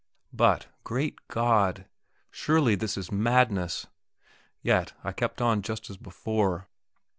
But, great God, surely this is madness! and yet I kept on just as before.